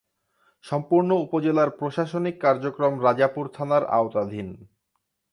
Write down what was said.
সম্পূর্ণ উপজেলার প্রশাসনিক কার্যক্রম রাজাপুর থানার আওতাধীন।